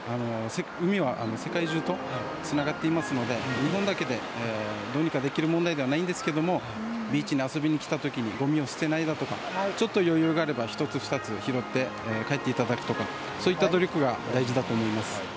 海は世界中とつながっていますので日本だけで、どうにかできる問題ではないんですけどもビーチに遊びに来た時にごみを捨てないだとかちょっと余裕があれば１つ、２つ拾って帰っていただくとかそういった努力が大事だと思います。